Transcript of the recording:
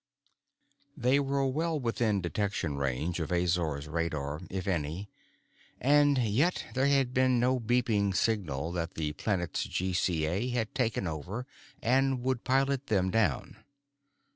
..... 7 THEY were well within detection range of Azor's radar, if any, and yet there had been no beeping signal that the planet's GCA had taken over and would pilot them down.